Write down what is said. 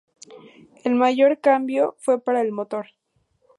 El mayor cambio fue para el motor.